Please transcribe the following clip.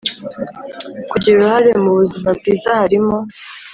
Kugira uruhare m ubuzima bwiza halimo